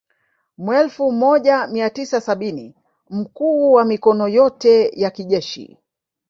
Mwelfu moja mia tisa sabini mkuu wa mikono yote ya kijeshi